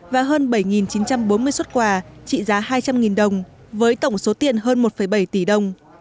và hơn bảy chín trăm bốn mươi xuất quà trị giá hai trăm linh đồng với tổng số tiền hơn một bảy tỷ đồng